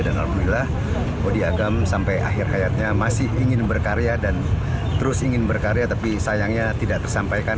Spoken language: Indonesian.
dan alhamdulillah odi agam sampai akhir hayatnya masih ingin berkarya dan terus ingin berkarya tapi sayangnya tidak tersampaikan